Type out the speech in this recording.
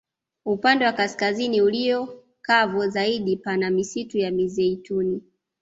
Upande wa kaskazini ulio kavu zaidi pana misitu ya mizeituni